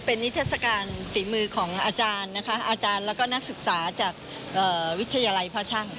เป็นนิทัศกาลตีมือของอาจารย์และนักศึกษาจากวิทยาลัยพ่อช่าง